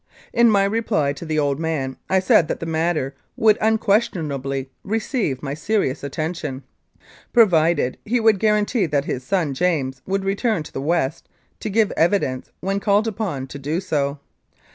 In my reply to the old man I said that the matter would unquestionably receive my very serious attention, provided he would guarantee that his son James would return to the West to give evidence when called upon to do so.